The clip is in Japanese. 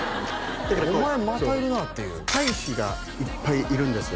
だからこうお前またいるなっていう隊士がいっぱいいるんですよ